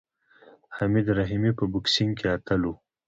حمید رحیمي په بوکسینګ کې اتل و.